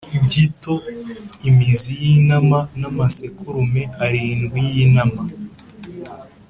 Gito im zi y intama n amasekurume arindwi y intama